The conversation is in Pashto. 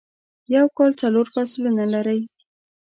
یوکال څلور فصلونه لری